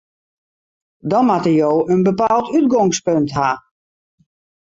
Dan moatte jo in bepaald útgongspunt ha.